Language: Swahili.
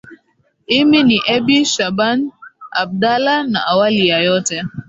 imi ni ebi shaban abdala na awali ya yote